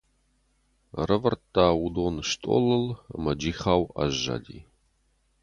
Ӕрӕвӕрдта уыдон стъолыл ӕмӕ джихау аззади.